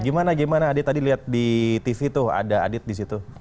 gimana gimana adit tadi lihat di tv tuh ada adit di situ